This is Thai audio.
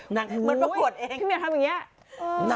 หันดูเห็นพี่อยู่พี่ดูแบบ